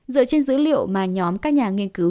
dựa trên dữ liệu mà nhóm các nhà nghiên cứu